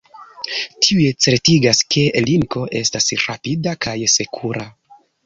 Tiuj certigas, ke Linko estas rapida kaj sekura.